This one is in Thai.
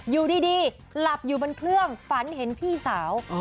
อยู่ดีหลับอยู่บนเครื่องฝันเห็นพี่สาว